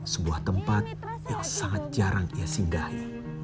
sebuah tempat yang sangat jarang ia singgahi